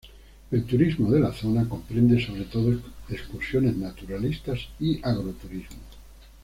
El turismo de la zona comprende sobre todo excursiones naturalistas y agroturismo.